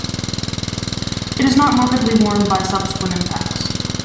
It is not markedly worn by subsequent impacts.